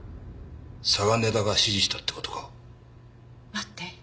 待って。